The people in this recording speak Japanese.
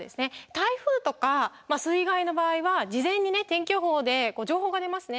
台風とか水害の場合は事前にね天気予報で情報が出ますね。